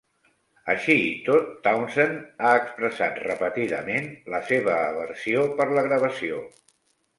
Així i tot, Townsend ha expressat repetidament la seva aversió per la gravació.